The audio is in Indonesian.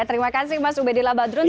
terima kasih mas ubedi labadrun